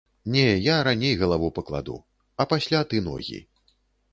Не, я раней галаву пакладу, а пасля ты ногі.